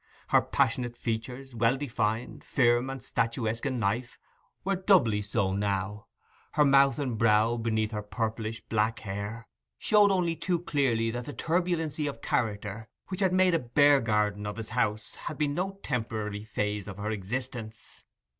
Her passionate features, well defined, firm, and statuesque in life, were doubly so now: her mouth and brow, beneath her purplish black hair, showed only too clearly that the turbulency of character which had made a bear garden of his house had been no temporary phase of her existence.